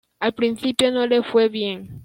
Al principio no le fue bien.